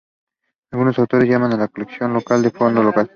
Algunos autores llaman a la colección local el "fondo local".